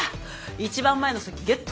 一番前の席ゲット！